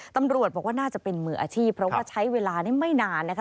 ตำรวจบอกว่าน่าจะเป็นมืออาชีพเพราะว่าใช้เวลานี้ไม่นานนะคะ